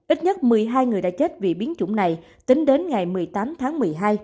ít nhất một mươi hai người đã chết vì biến chủng này tính đến ngày một mươi tám tháng một mươi hai